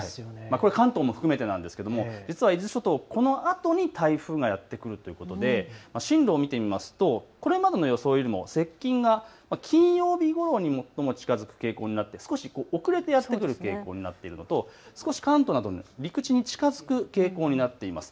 これは関東も含めてなんですが伊豆諸島、このあと台風がやって来るということで進路を見てみますと、これまでの予想より接近が、金曜日ごろに最も近づく予想なので遅れる傾向になっているのと関東などの陸地に近づく傾向になっています。